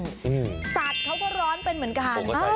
สัตว์เขาก็ร้อนเป็นเหมือนกัน